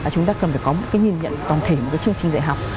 chúng ta cần phải có một nhìn nhận toàn thể với chương trình dạy học